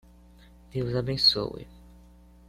Deus abençoe